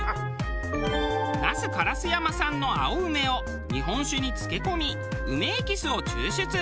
那須烏山産の青梅を日本酒に漬け込み梅エキスを抽出。